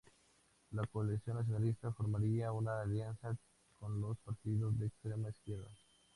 La coalición nacionalista formaría una alianza con los partidos de extrema izquierda.